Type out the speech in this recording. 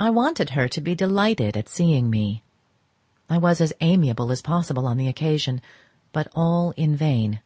I wanted her to be delighted at seeing me. I was as amiable as possible on the occasion, but all in vain.